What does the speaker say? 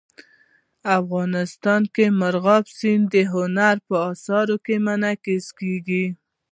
افغانستان کې مورغاب سیند د هنر په اثار کې منعکس کېږي.